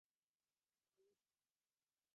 মন্ত্রী এ চিঠিখানার অবশ্য একটা নকল রাখা হইয়াছে।